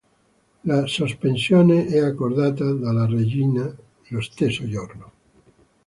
La sospensione è accordata dalla regina lo stesso giorno.